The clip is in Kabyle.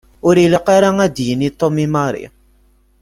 Ur ilaq ara ad yini Tom i Mary.